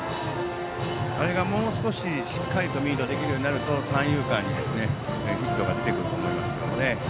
あれがもう少ししっかりとミートできるようになると三遊間にヒットが出てくると思いますけどね。